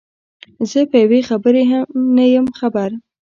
زه په یوې خبرې هم نه یم خبر.